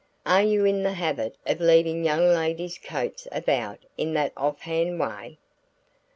"Are you in the habit of leaving young ladies' coats about in that off hand way?"